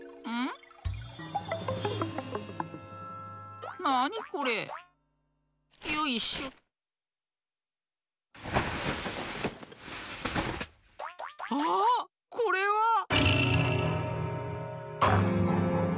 あっこれは！